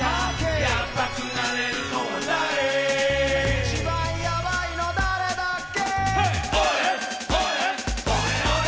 一番ヤバいの誰だっけ？